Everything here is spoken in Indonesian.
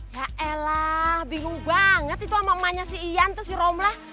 ya elah bingung banget itu ama emanya si ian terus si romlah